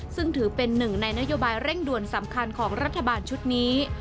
ซึ่งถือเป็นหนึ่งในนโยบายเร่งด่วนสำคัญของรัฐบาลชุดนี้